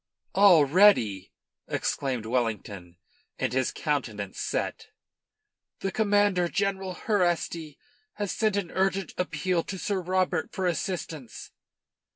"Already!" exclaimed Wellington, and his countenance set. "The commander, General Herrasti, has sent an urgent appeal to Sir Robert for assistance."